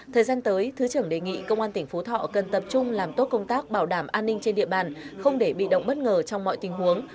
thời gian tới thứ trưởng đề nghị công an tỉnh phú thọ cần tập trung làm tốt công tác bảo đảm an ninh trên địa bàn không để bị động bất ngờ trong mọi tình huống